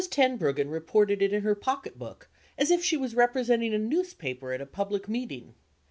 Tenbruggen reported it in her pocket book, as if she was representing a newspaper at a public meeting.